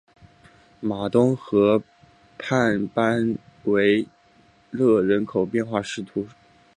马东河畔班维勒人口变化图示